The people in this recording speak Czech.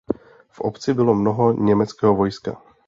V obci bylo mnoho německého vojska.